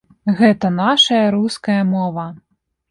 Гэта нашая руская мова.